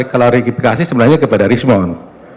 kalau rekifikasi sebenarnya kepada rismon